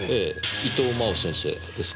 伊藤真央先生ですね。